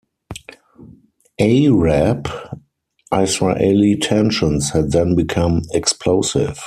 Arab-Israeli tensions had then become explosive.